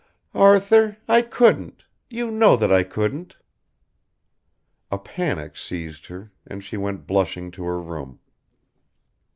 "Arthur I couldn't you know that I couldn't." A panic seized her and she went blushing to her room.